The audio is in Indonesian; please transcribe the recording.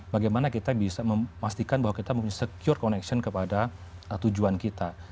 bagaimana kita bisa memastikan bahwa kita mempunyai secure connection kepada tujuan kita